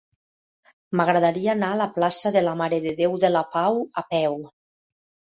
M'agradaria anar a la plaça de la Mare de Déu de la Pau a peu.